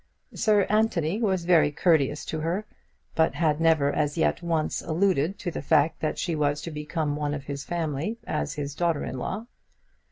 Sir Anthony was very courteous to her, but had never as yet once alluded to the fact that she was to become one of his family as his daughter in law.